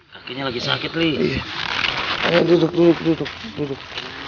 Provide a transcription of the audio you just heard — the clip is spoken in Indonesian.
kakinya lagi sakit lih duduk duduk duduk duduk